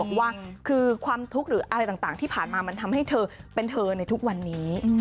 บอกว่าคือความทุกข์หรืออะไรต่างที่ผ่านมามันทำให้เธอเป็นเธอในทุกวันนี้